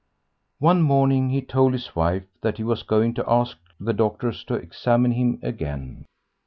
One morning he told his wife that he was going to ask the doctors to examine him again.